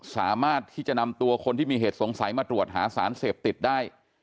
สามารถที่จะนำตัวคนที่มีเหตุสงสัยมาตรวจหาสารเสพติดได้